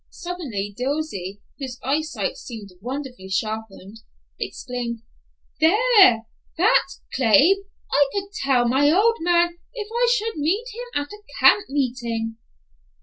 Suddenly Dilsey, whose eyesight seemed wonderfully sharpened, exclaimed, "Thar, that's Claib. I could tell my old man if I should meet him at a camp meeting!"